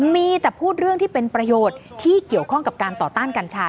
มีแต่พูดเรื่องที่เป็นประโยชน์ที่เกี่ยวข้องกับการต่อต้านกัญชา